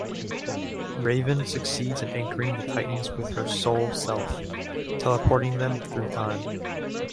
Raven succeeds in anchoring the Titans with her soul-self, teleporting them through time.